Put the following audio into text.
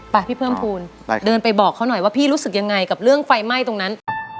พี่เพิ่มภูมิเดินไปบอกเขาหน่อยว่าพี่รู้สึกยังไงกับเรื่องไฟไหม้ตรงนั้น